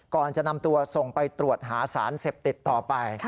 ก่อนจะนำตัวส่งไปตรวจหาสารเสพติดต่อไป